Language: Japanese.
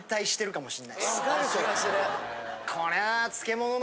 わかる気がする。